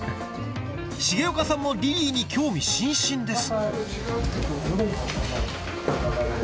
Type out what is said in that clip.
重岡さんもリリイに興味津々です